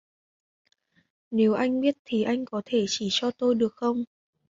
Nếu anh biết thì anh có thể chỉ cho tôi được không